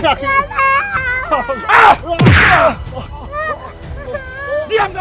jangan bunuh anak saya